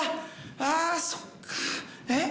ああそっかえっ？